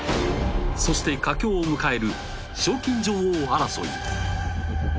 そして、佳境を迎える賞金女王争い。